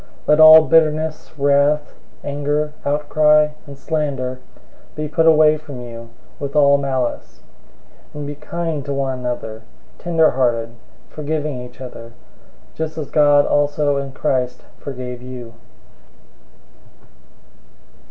004:031 Let all bitterness, wrath, anger, outcry, and slander, be put away from you, with all malice. 004:032 And be kind to one another, tenderhearted, forgiving each other, just as God also in Christ forgave you.